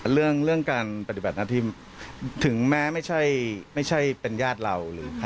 เรื่องการปฏิบัติหน้าที่ถึงแม้ไม่ใช่เป็นญาติเราหรือ